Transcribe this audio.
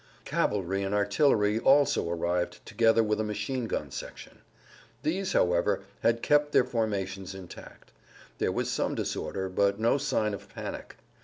Cavalry and artillery also arrived together with a machine gun section. These, however, had kept their formations intact; there was some disorder, but no sign of panic.